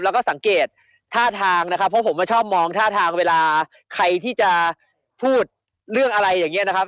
แล้วก็สังเกตท่าทางนะครับเพราะผมชอบมองท่าทางเวลาใครที่จะพูดเรื่องอะไรอย่างนี้นะครับ